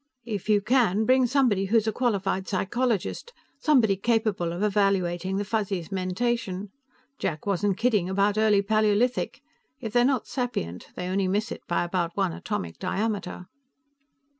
If you can, bring somebody who's a qualified psychologist, somebody capable of evaluating the Fuzzies' mentation. Jack wasn't kidding about early Paleolithic. If they're not sapient, they only miss it by about one atomic diameter."